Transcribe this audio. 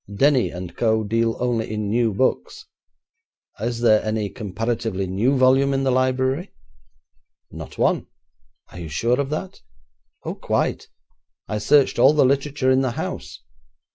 Denny and Co. deal only in new books. Is there any comparatively new volume in the library?' 'Not one.' 'Are you sure of that?' 'Oh, quite; I searched all the literature in the house.